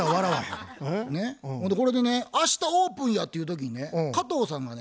ほんでこれでね明日オープンやっていう時にね加藤さんがね